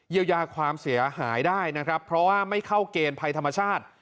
เยียวยาความเสียหายได้นะครับเพราะว่าไม่เข้าเกณฑ์ภัยธรรมชาติ